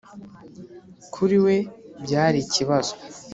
kuri we, byari ikibazo. “